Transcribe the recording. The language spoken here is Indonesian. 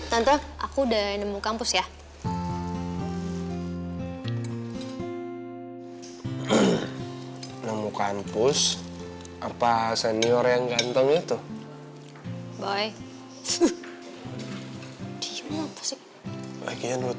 nonton aku udah nemu kampus ya hai nunggu kampus apa senior yang ganteng itu bye